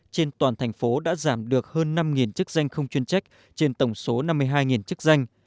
trên toàn thành phố đã giảm được hơn năm chức danh không chuyên trách trên tổng số năm mươi hai chức danh